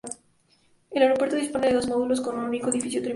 El aeropuerto dispone de dos módulos, con un único edificio terminal.